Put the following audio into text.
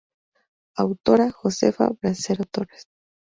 Autora: Josefa Bracero Torres